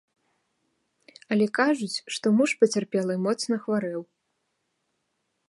Але кажуць, што муж пацярпелай моцна хварэў.